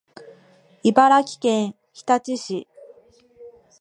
茨城県日立市